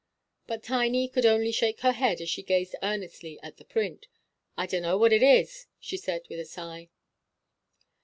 But Tiny could only shake her head as she gazed earnestly at the print. "I dunno what it is," she said, with a sigh.